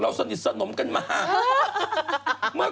แล้วสนิทธิส่งกันมา